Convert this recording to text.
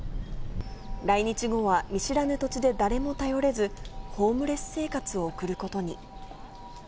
来日後は見知らぬ土地で誰も頼れず、ホームレス生活を送ることに。